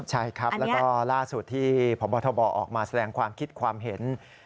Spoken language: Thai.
ใช่ครับแล้วก็ล่าสุดที่พบทบออกมาแสดงความคิดความเห็น